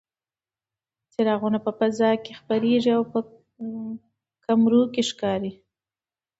څراغونه په فضا کې خپرېږي او په کمرو کې ښکاري.